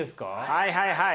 はいはいはい。